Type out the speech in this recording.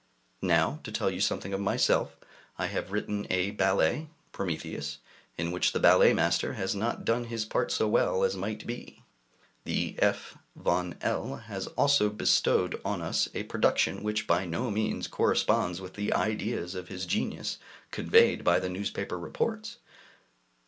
Now to tell you something of myself. I have written a ballet ["Prometheus"], in which the ballet master has not done his part so well as might be. The F von L has also bestowed on us a production which by no means corresponds with the ideas of his genius conveyed by the newspaper reports.